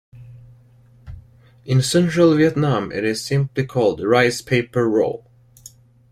In central Vietnam, it is simply called "rice paper" roll.